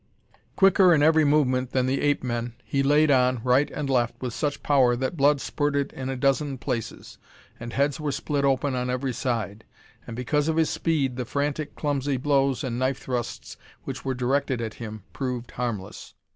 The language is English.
Quicker in every movement than the ape men, he laid on, right and left, with such power that blood spurted in a dozen places, and heads were split open on every side. And because of his speed, the frantic, clumsy blows and knife thrusts which were directed at him proved harmless.